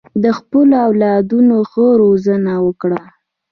د خپلو اولادونو ښه روزنه وکړه.